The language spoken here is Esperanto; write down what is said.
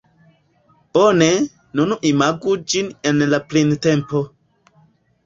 Bone, nun imagu ĝin en la printempo.